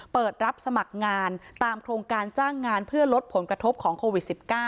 เปิดรับสมัครงานตามโครงการจ้างงานเพื่อลดผลกระทบของโควิด๑๙